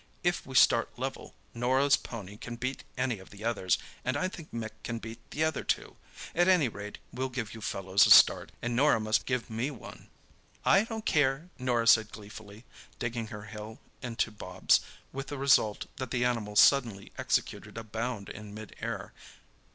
"If we start level, Norah's pony can beat any of the others, and I think Mick can beat the other two. At any rate we'll give you fellows a start, and Norah must give me one." "I don't care," Norah said gleefully, digging her heel into Bobs, with the result that that animal suddenly executed a bound in mid air.